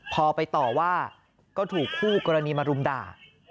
พอไปต่อว่าก็ถูกคู่กรณีมารุมด่า